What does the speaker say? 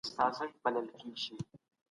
مطالعه کول د هر انسان فکري حق دی.